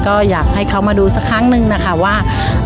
ก็อยากให้เขามาดูสักครั้งนึงนะคะว่า